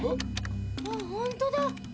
ほんとだ！